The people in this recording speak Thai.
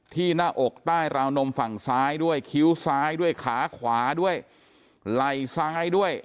หน้าอกใต้ราวนมฝั่งซ้ายด้วยคิ้วซ้ายด้วยขาขวาด้วยไหล่ซ้ายด้วย